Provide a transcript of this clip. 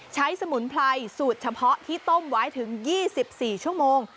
สมุนไพรสูตรเฉพาะที่ต้มไว้ถึง๒๔ชั่วโมง